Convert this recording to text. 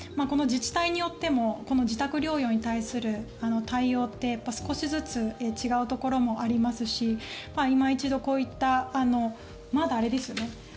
自治体によっても自宅療養に対する対応って少しずつ違うところもありますしいま一度こういったまだ、あれですよね